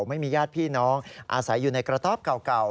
ไม่มีญาติพี่น้องอาศัยอยู่ในกระต๊อบเก่า